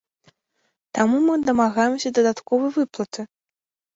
Таму мы дамагаемся дадатковай выплаты.